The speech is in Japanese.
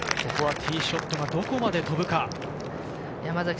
ティーショットがどこまで飛ぶか。